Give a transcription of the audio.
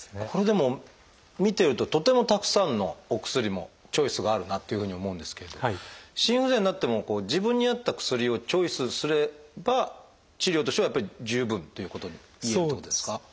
これでも見てるととてもたくさんのお薬もチョイスがあるなというふうに思うんですけれど心不全になっても自分に合った薬をチョイスすれば治療としてはやっぱり十分ということをいえるってことですか？